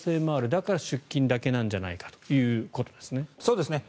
だから、出金だけなんじゃないかということですね。